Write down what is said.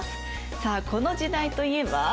さあこの時代といえば？